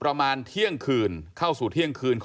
ขับปืนมายิงเลย